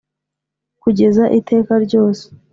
Kugeza iteka ryose